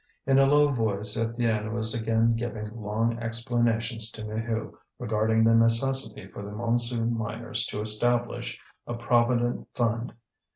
In a low voice Étienne was again giving long explanations to Maheu regarding the necessity for the Montsou miners to establish a Provident Fund.